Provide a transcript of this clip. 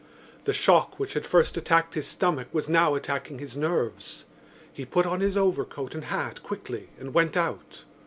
The shock which had first attacked his stomach was now attacking his nerves. He put on his overcoat and hat quickly and went out.